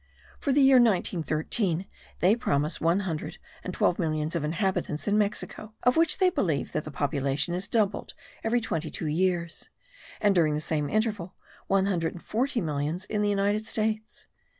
For the year 1913 they promise one hundred and twelve millions of inhabitants in Mexico, of which they believe that the population is doubled every twenty two years; and during the same interval one hundred and forty millions in the United States.